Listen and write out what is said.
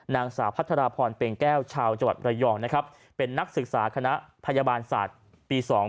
นางสาวพัฒนาพรเป็นแก้วชาวจังหวัดระยองนะครับเป็นนักศึกษาคณะพยาบาลศาสตร์ปีสอง